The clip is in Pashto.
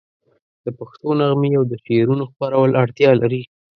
د پښتو نغمې او د شعرونو خپرول اړتیا لري.